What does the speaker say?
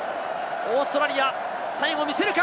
オーストラリア、最後見せるか？